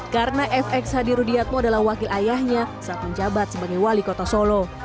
karena fx hadi rudiatmo adalah wakil ayahnya saat menjabat sebagai wali kota solo